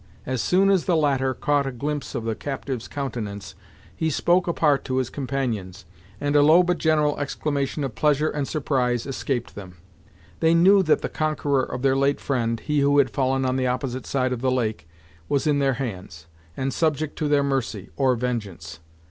As soon as the latter caught a glimpse of the captive's countenance, he spoke apart to his companions, and a low but general exclamation of pleasure and surprise escaped them. They knew that the conqueror of their late friend, he who had fallen on the opposite side of the lake, was in their hands, and subject to their mercy, or vengeance.